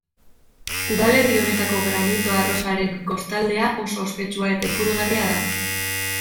Udalerri honetako Granito arrosaren kostaldea oso ospetsua eta ikusgarria da.